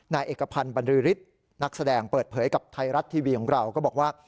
นายเอกพันธ์บรรลือฤทธิ์นักแสดงเปิดเผยกับไทยรัฐทีวีของเราก็บอกว่า